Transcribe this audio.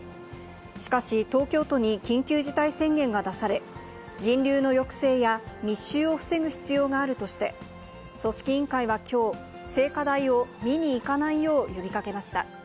しかし、東京都に緊急事態宣言が出され、人流の抑制や密集を防ぐ必要があるとして、組織委員会はきょう、聖火台を見に行かないよう呼びかけました。